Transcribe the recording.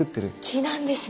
木なんですね！